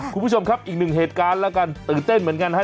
คุณผู้ชมครับอีกหนึ่งเหตุการณ์แล้วกันตื่นเต้นเหมือนกันฮะ